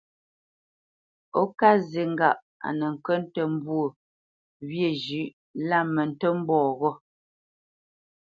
Ó ká zi ŋgâʼ a nə kə́ nə́ mbwô ghyê zhʉ̌ʼ lá mə ntə́ mbɔ̂ ghô ?